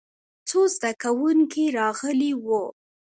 څو زده کوونکي راغلي وو.